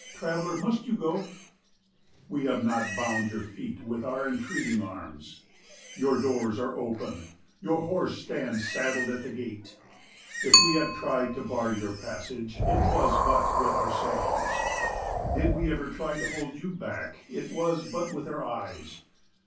Traveller, must you go? We have not bound your feet with our entreating arms. Your doors are open. Your horse stands saddled at the gate. If we have tried to bar your passage it was but with our songs. Did we ever try to hold you back it was but with our eyes.